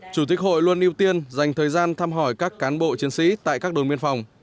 chủ tịch hội luôn ưu tiên dành thời gian thăm hỏi các cán bộ chiến sĩ tại các đồn biên phòng